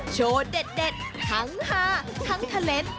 โชว์เด็ดทั้งฮาทั้งเทล็นต์